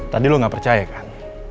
tadi lo gak percaya kan